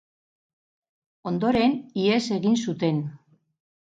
Ondoren, ihes egin zuten.